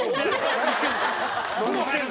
何してんの？